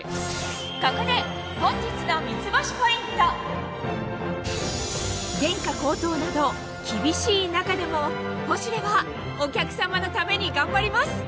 ここで本日の原価高騰など厳しい中でも『ポシュレ』はお客さまのために頑張ります！